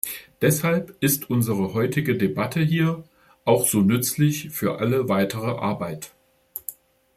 Deshalb ist unsere heutige Debatte hier auch so nützlich für alle weitere Arbeit.